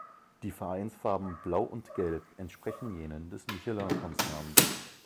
Die Vereinsfarben Blau und Gelb entsprechen jenen des Michelin-Konzerns.